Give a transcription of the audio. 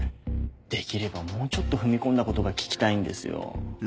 できればもうちょっと踏み込んだことが聞きたいんですよ。